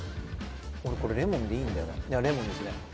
俺これレモンでいいんだよねいやレモンですね